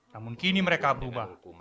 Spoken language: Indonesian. namun kini mereka berubah